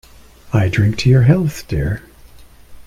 I drink your health, dear.